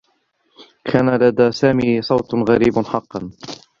كان لدى سامي صوت غريب حقّا.